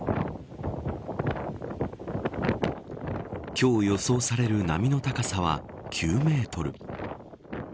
今日、予想される波の高さは９メートル。